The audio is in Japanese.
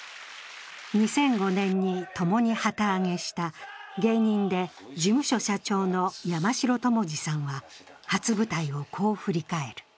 ２００５年に共に旗揚げした芸人で事務所社長の山城智二さんは初舞台をこう振り返る。